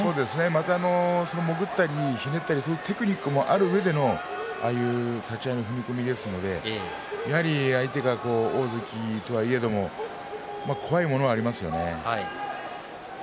また、もぐったりひねったりするテクニックもあるうえでの、ああいう立ち合いの踏み込みですので相手が大関とはいえども怖いものがありますよね。